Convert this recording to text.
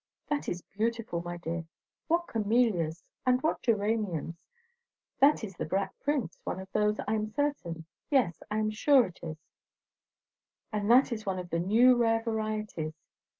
"That is beautiful, my dear. What camellias! And what geraniums! That is the Black Prince, one of those, I am certain; yes, I am sure it is; and that is one of the new rare varieties.